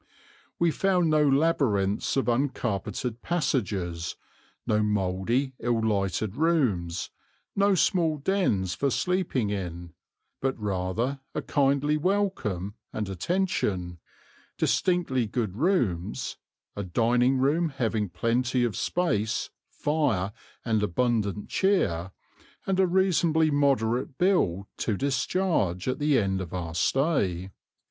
We found no labyrinths of uncarpeted passages, no mouldy ill lighted rooms, no small dens for sleeping in, but rather a kindly welcome and attention, distinctly good rooms, a dining room having plenty of space, fire and abundant cheer, and a reasonably moderate bill to discharge at the end of our stay.